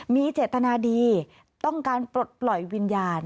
มีเจตนาดีต้องการปลดปล่อยวิญญาณ